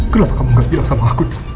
kenapa kamu gak bilang sama aku